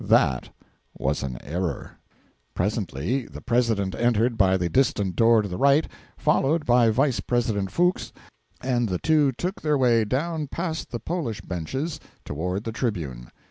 That was an error. Presently the President entered by the distant door to the right, followed by Vice President Fuchs, and the two took their way down past the Polish benches toward the tribune.